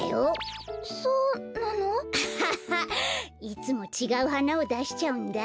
いつもちがうはなをだしちゃうんだ。